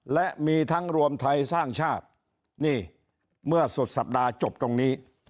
และมีทั้งรวมไทยสร้างชาตินี่เมื่อสุดสัปดาห์จบตรงนี้